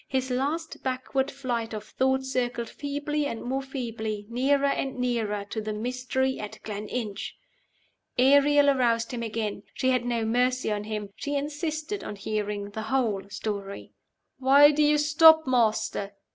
His last backward flight of thought circled feebly and more feebly nearer and nearer to the mystery at Gleninch! Ariel aroused him again. She had no mercy on him; she insisted on hearing the whole story. "Why do you stop, Master?